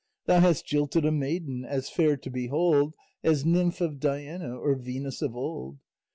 Thou hast jilted a maiden As fair to behold As nymph of Diana Or Venus of old.